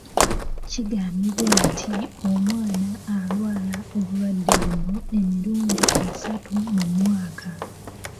Kigambibwa nti omwana alwala obulwadde buno emirundi esatu mu mwaka